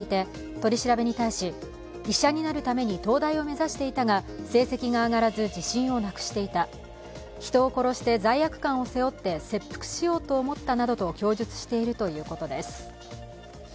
男子生徒は、名古屋市内の私立高校に通っていて取り調べに対し、医者になるために東大を目指していたが成績が上がらす自信をなくしていた人を殺して罪悪感を背負って切腹しようと思ったなどと供述しているということです。